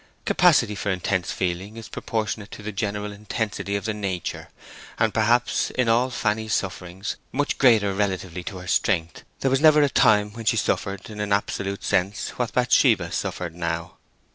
Capacity for intense feeling is proportionate to the general intensity of the nature, and perhaps in all Fanny's sufferings, much greater relatively to her strength, there never was a time she suffered in an absolute sense what Bathsheba suffered now.